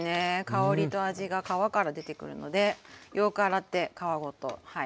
香りと味が皮から出てくるのでよく洗って皮ごと使いたいです。